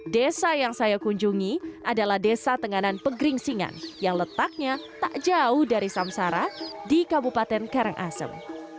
desa yang saya kunjungi adalah desa tenganan pegeringsingan yang letaknya tak jauh dari samsara di kabupaten karangasem